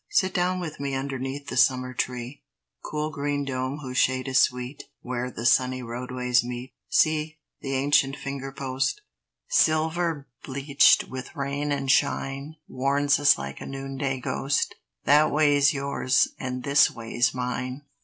Sit down with me Underneath the summer tree, Cool green dome whose shade is sweet, Where the sunny roadways meet, See, the ancient finger post, Silver bleached with rain and shine, Warns us like a noon day ghost: That way's yours, and this way's mine!